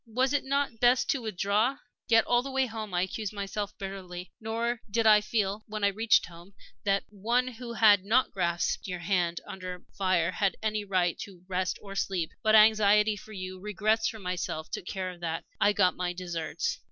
Was it not best to withdraw? Yet all the way home I accused myself bitterly. Nor did I feel, when I reached home, that one who had not grasped your hand under fire had any right to rest or sleep. But anxiety for you, regrets for myself, took care of that; I got my deserts.